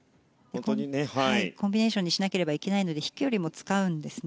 コンビネーションにしなければいけないので飛距離も使うんですね。